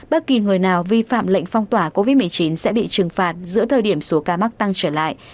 bất kỳ người nào vi phạm lệnh phong tỏa covid một mươi chín sẽ bị trừng phạt giữa thời điểm số ca mắc tăng trở lại